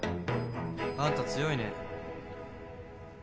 あんた強いね。